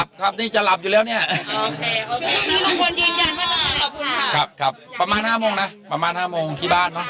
วันนี้กลับไปจะนอนหลับไหมคะ